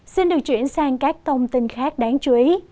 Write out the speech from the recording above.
xin được chuyển sang các thông tin khác đáng chú ý